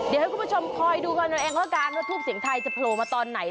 เดี๋ยวให้คุณผู้ชมคอยดูกันเอาเองแล้วกันว่าทูปเสียงไทยจะโผล่มาตอนไหน